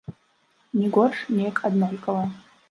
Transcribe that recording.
Не горш, неяк аднолькава.